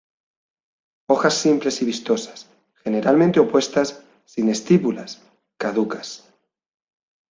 Hojas simples y vistosas, generalmente opuestas, sin estípulas, caducas.